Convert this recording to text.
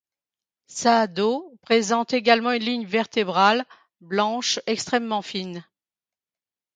Sa dos présente également une ligne vertébrale blanche extrêmement fine.